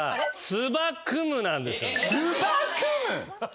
つばくむ！？